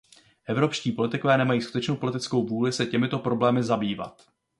Evropští politikové nemají skutečnou politickou vůli se těmito problémy zabývat.